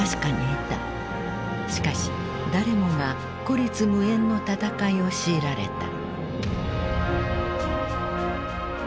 しかし誰もが孤立無援の戦いを強いられた。